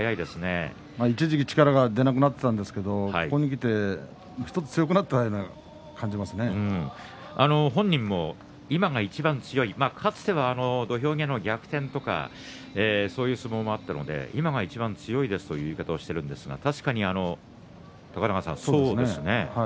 一時期力が出なくなったんですけどここにきて強くなったように本人も今がいちばん強いとかつては土俵際逆転とかそういう相撲もあったので今がいちばん強いですという言い方をしていますと確かに高田川さん、そうですね。